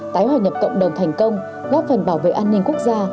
tái hòa nhập cộng đồng thành công góp phần bảo vệ an ninh quốc gia